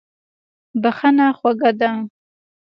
بښنه خوږه ده.